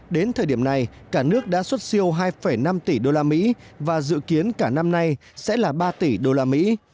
đến thời điểm này cả nước đã xuất siêu hai năm tỷ đô la mỹ và dự kiến cả năm nay sẽ là ba tỷ đô la mỹ